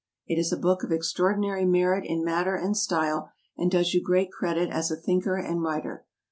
It is a book of extraordinary merit in matter and style, and does you great credit as a thinker and writer.